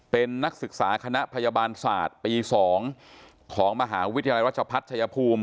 เป็นนักศึกษาคณะพยาบาลศาสตร์ปี๒ของมหาวิทยาลัยรัชพัฒน์ชายภูมิ